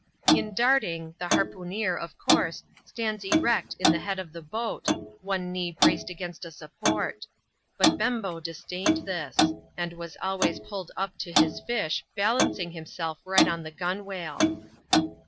In darting, the harpooneer, of course, stands erect in the head of the boat, one knee braced against a support. But Bembo disdained this ; and was always pulled up to his fish, balancing himself right on the gunwale.